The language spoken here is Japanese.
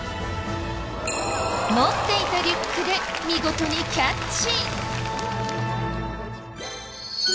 持っていたリュックで見事にキャッチ！